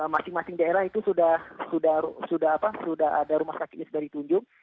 masing masing daerah itu sudah ada rumah sakitnya sudah ditunjuk